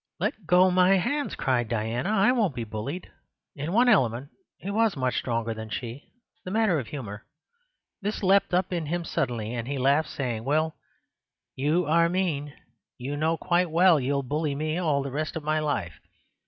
"Let go my hands!" cried Diana. "I won't be bullied." In one element he was much stronger than she—the matter of humour. This leapt up in him suddenly, and he laughed, saying: "Well, you are mean. You know quite well you'll bully me all the rest of my life.